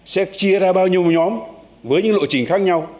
sẽ chia ra bao nhiêu nhóm với những lộ trình khác nhau